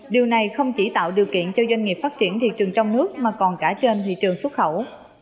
điều này không chỉ tạo điều kiện cho doanh nghiệp phát triển thị trường trong nước mà còn cả trên thị trường xuất khẩu